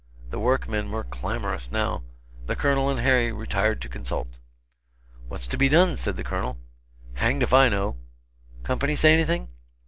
The workmen were clamorous, now. The Colonel and Harry retired to consult. "What's to be done?" said the Colonel. "Hang'd if I know." "Company say anything?"